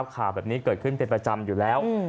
ข่าวแบบนี้เกิดขึ้นเป็นประจำอยู่แล้ว